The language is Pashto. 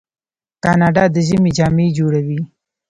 کاناډا د ژمي جامې جوړوي.